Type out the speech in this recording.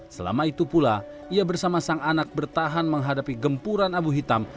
selama itu pula ia bersama sang anak bertahan menghadapi gempuran abu hitam